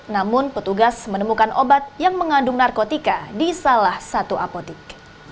namun petugas menemukan obat yang mengandung narkotika di salah satu apotik